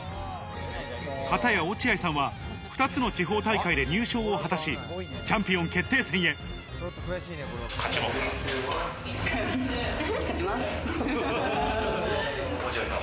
片や、落合さんは２つの地方大会で入賞を果たし、チャンピオン決勝ちますか？